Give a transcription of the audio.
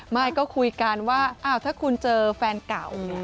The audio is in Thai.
ไม่ก็คุยกันว่าอ้าวถ้าคุณเจอแฟนเก่า